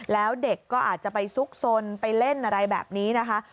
แล้วเด็กก็อาจจะไปซุกซนไปเล่นอะไรแบบนี้นะคะ